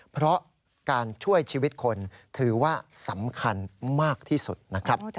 เพราะการช่วยชีวิตคนถือว่าสำคัญมากที่สุดนะครับ